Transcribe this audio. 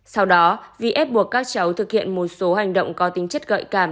sau đó vi ép buộc các cháu thực hiện một số hành động có tính chất gợi cảm